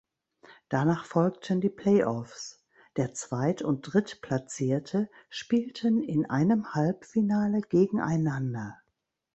Danach folgten die Play-Offs: Der Zweit- und Drittplatzierte spielten in einem Halbfinale gegeneinander.